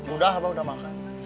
udah abah sudah makan